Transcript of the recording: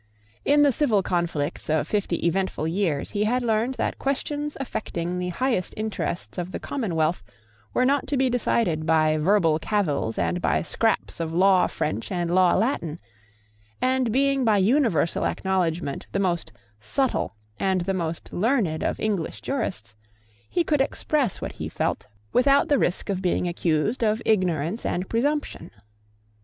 In the civil conflicts of fifty eventful years he had learned that questions affecting the highest interests of the commonwealth were not to be decided by verbal cavils and by scraps of Law French and Law Latin; and, being by universal acknowledgment the most subtle and the most learned of English jurists, he could express what he felt without the risk of being accused of ignorance and presumption.